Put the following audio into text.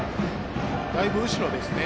だいぶ後ろですね。